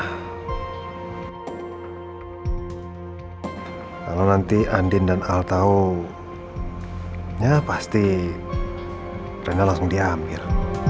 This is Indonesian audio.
kalau nanti andin dan al tahu ya pasti mereka langsung diambil